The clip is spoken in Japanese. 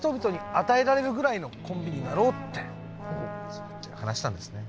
そうやって話したんですね。